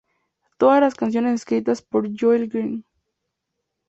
Todas las canciones escritas por Joel Grind.